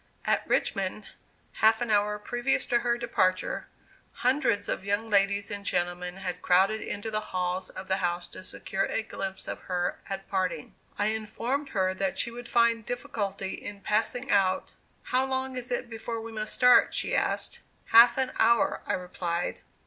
At Richmond, half an hour previous to her departure, hundreds of young ladies and gentlemen had crowded into the halls of the house to secure a glimpse of her at parting. I informed her that she would find difficulty in passing out. "How long is it before we must start?" she asked. "Half an hour," I replied.